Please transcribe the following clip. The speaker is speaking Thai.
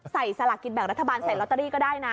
สลากกินแบ่งรัฐบาลใส่ลอตเตอรี่ก็ได้นะ